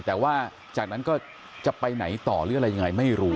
แต่ว่าจากนั้นจะไปไหนต่ออย่างไรไม่รู้นะ